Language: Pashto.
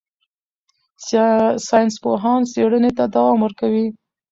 ساینسپوهان څېړنې ته دوام ورکوي.